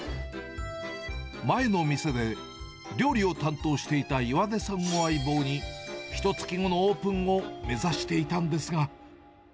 前の店で料理を担当していたいわでさんを相棒に、ひとつき後のオープンを目指していたんですが。